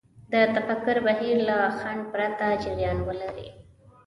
د تفکر بهير له خنډ پرته جريان ولري.